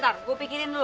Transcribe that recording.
tunggu gue pikirin dulu